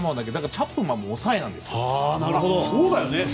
チャップマンも抑えなんです。